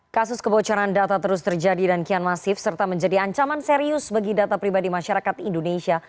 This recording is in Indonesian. kasus kebocoran data terus terjadi dan kian masif serta menjadi ancaman serius bagi data pribadi masyarakat indonesia